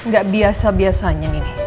gak biasa biasanya nih